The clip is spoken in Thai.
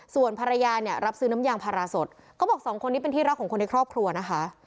ส่วนภรรยาเนี่ยรับซื้อน้ำยางพาราสดเขาบอกสองคนนี้เป็นที่รักของคนในครอบครัวนะคะ